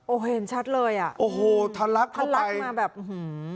โอ้โหเห็นชัดเลยอ่ะโอ้โหทะลักทะลักมาแบบอื้อหือ